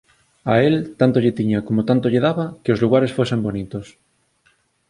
A el tanto lle tiña como tanto lle daba que os lugares fosen bonitos